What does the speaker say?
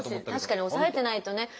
確かに押さえてないとね。